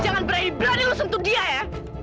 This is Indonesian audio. jangan berani berani lo sentuh dia ya